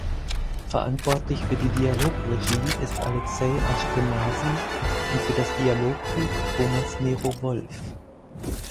Verantwortlich für die Dialogregie ist Alexej Ashkenazy und für das Dialogbuch Thomas Nero Wolff.